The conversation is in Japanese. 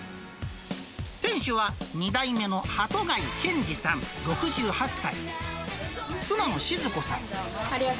店主は、２代目の鳩貝健次さん６８歳。